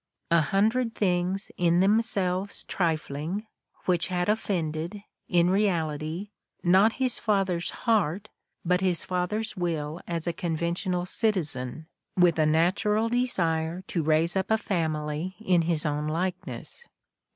"A hundred things in themselves trifling," which had offended, in reality, not his father's heart but his father's will as a conven tional citizen with a natural desire to raise up a family in his own likeness.